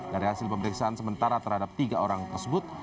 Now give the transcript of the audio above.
dari hasil pemeriksaan sementara terhadap tiga orang tersebut